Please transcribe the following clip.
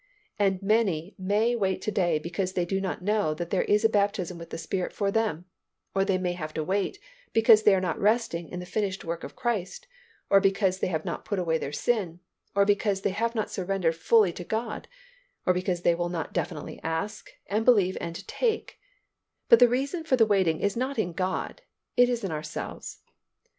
And many may wait to day because they do not know that there is the baptism with the Spirit for them, or they may have to wait because they are not resting in the finished work of Christ, or because they have not put away sin, or because they have not surrendered fully to God, or because they will not definitely ask and believe and take; but the reason for the waiting is not in God, it is in ourselves.